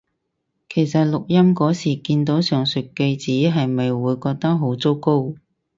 其實錄音嗰時見到上述句子係咪會覺得好糟糕？